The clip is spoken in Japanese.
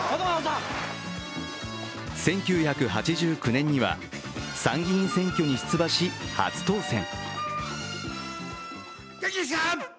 １９８９年には参議院選挙に出馬し初当選。